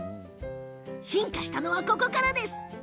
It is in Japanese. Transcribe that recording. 進化したのは、ここから。